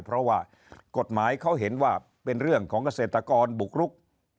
เพราะว่ากฎหมายเขาเห็นว่าเป็นเรื่องของเกษตรกรบุกรุก